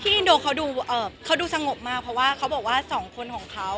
ที่อินโดเขาดูเอ่อเขาดูสงบมากเพราะว่าเขาบอกว่าสองคนของเขา